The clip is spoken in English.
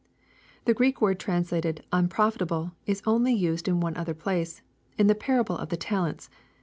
The Greek word translated " unprofitable," is only used in one other place, in the parable of the talents.